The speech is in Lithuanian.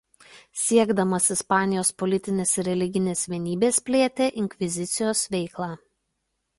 Siekdamas Ispanijos politinės ir religinės vienybės plėtė inkvizicijos veiklą.